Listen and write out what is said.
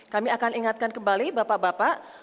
kami akan ingatkan kembali bapak bapak